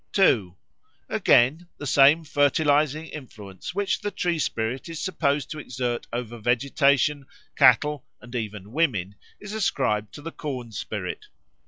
(2) Again the same fertilising influence which the tree spirit is supposed to exert over vegetation, cattle, and even women is ascribed to the corn spirit.